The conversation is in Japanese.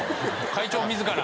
会長自ら。